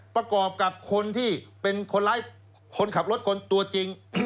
ประกอบกับคนที่เป็นคนร้ายคนขับรถคนตัวจริง